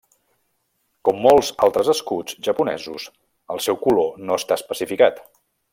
Com molts altres escuts japonesos, el seu color no està especificat.